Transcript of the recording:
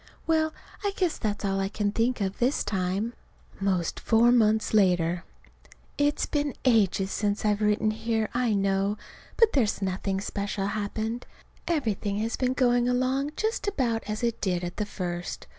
Well, I guess that's all I can think of this time. 'Most four months later. It's been ages since I've written here, I know. But there's nothing special happened. Everything has been going along just about as it did at the first.